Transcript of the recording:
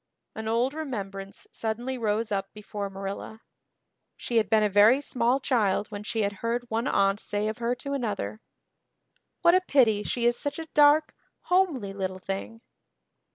An old remembrance suddenly rose up before Marilla. She had been a very small child when she had heard one aunt say of her to another, "What a pity she is such a dark, homely little thing."